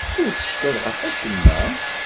Ur tecfiḍ ɣef acemma?